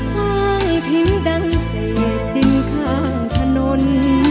ข้างทิ้งดังเศษดินข้างถนน